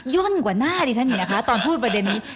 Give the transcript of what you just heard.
่นกว่าหน้าดิฉันอีกนะคะตอนพูดประเด็นนี้